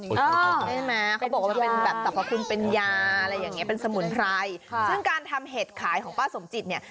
เขาบอกว่าเป็นยาเป็นสมุนไพรซึ่งการทำเห็ดขายของป้าสมจิตเนี่ย